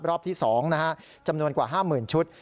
รอบที่๒จำนวนกว่า๕๐๐๐ชุด